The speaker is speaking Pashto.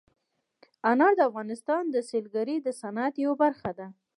انار د افغانستان د سیلګرۍ د صنعت یوه برخه ده.